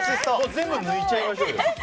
全部抜いちゃいましょうよ。